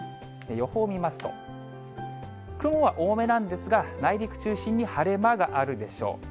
予報見ますと、雲は多めなんですが、内陸中心に晴れ間があるでしょう。